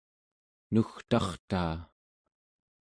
nugtartaa